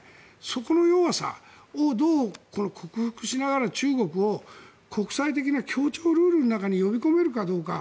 そこの弱さをどう克服しながら中国を国際的な協調ルールの中に呼び込めるかどうか。